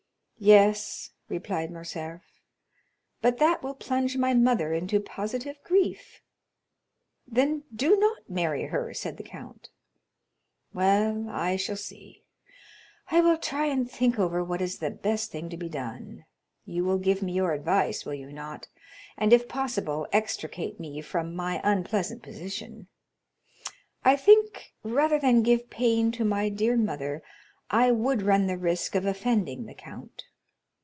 "Yes," replied Morcerf, "but that will plunge my mother into positive grief." "Then do not marry her," said the count. "Well, I shall see. I will try and think over what is the best thing to be done; you will give me your advice, will you not, and if possible extricate me from my unpleasant position? I think, rather than give pain to my dear mother, I would run the risk of offending the count."